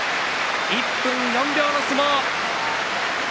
１分４秒の相撲。